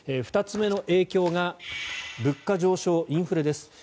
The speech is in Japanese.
２つ目の影響が物価上昇インフレです。